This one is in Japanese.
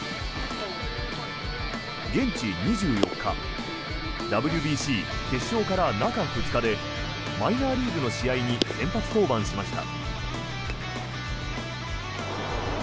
現地２４日ＷＢＣ決勝から中２日でマイナーリーグの試合に先発登板しました。